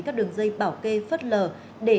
các đường dây bảo kê phất lờ để